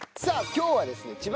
さあ今日はですね